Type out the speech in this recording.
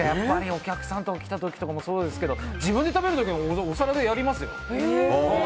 お客さんとか来た時もそうですけど自分で食べる時もお皿でやりますよ。